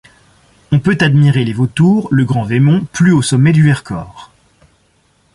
On peut admirer les vautours, le Grand Veymont, plus haut sommet du Vercors.